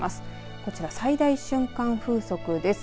こちら、最大瞬間風速です。